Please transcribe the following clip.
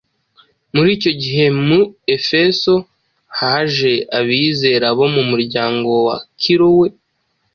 Muri icyo gihe mu Efeso haje abizera bo mu muryango wa Kilowe,